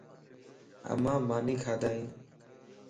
اما ماني کادايَ؟